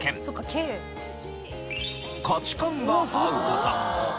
価値観が合う事。